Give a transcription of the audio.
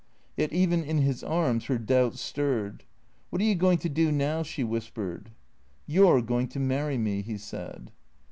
Yet even in his arms her doubt stirred. " What are you going to do now ?" she whispered. " You 're going to marry me," he said.